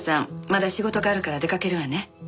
まだ仕事があるから出かけるわね。